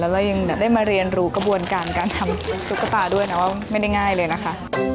เรายังได้มาเรียนรู้กระบวนการการทำซุปตาด้วยนะว่าไม่ได้ง่ายเลยนะคะ